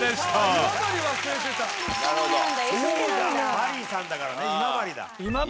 バリィさんだから今治だ。